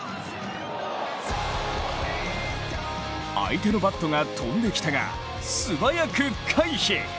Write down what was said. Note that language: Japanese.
相手のバットが飛んできたが素早く回避。